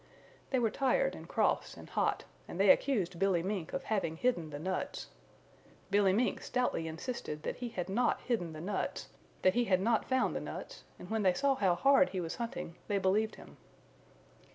They were tired and cross and hot and they accused Billy Mink of having hidden the nuts. Billy Mink stoutly insisted that he had not hidden the nuts, that he had not found the nuts, and when they saw how hard he was hunting they believed him.